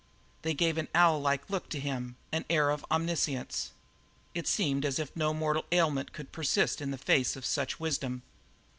They gave an owl like look to him, an air of omniscience. It seemed as if no mortal ailment could persist in the face of such wisdom.